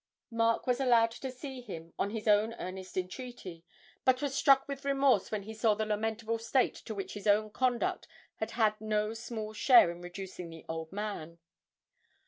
Mark was allowed to see him, on his own earnest entreaty, and was struck with remorse when he saw the lamentable state to which his own conduct had had no small share in reducing the old man.